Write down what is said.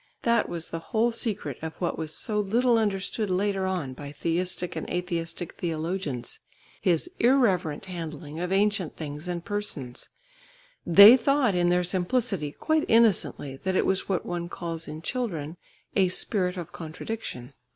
That was the whole secret of what was so little understood later on by theistic and atheistic theologians his irreverent handling of ancient things and persons; they thought in their simplicity quite innocently that it was what one calls in children a spirit of contradiction.